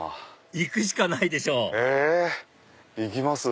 行くしかないでしょえ？いきます？